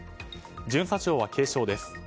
巡査長は軽傷です。